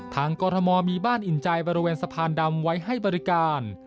กรทมมีบ้านอิ่นใจบริเวณสะพานดำไว้ให้บริการ